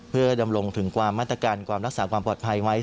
เพื่อดำรงถึงความมาตรการความรักษาความปลอดภัยไว้